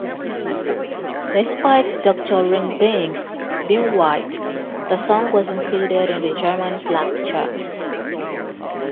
Despite Doctor Ring-Ding being white, the song was included in the German black charts.